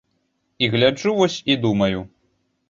І гляджу вось і думаю.